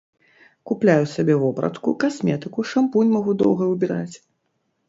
Купляю сабе вопратку, касметыку, шампунь магу доўга выбіраць.